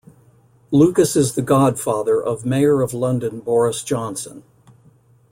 Lucas is the godfather of Mayor of London Boris Johnson.